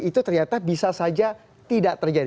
itu ternyata bisa saja tidak terjadi